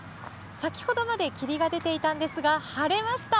先ほどまで霧が出ていたんですが、晴れました。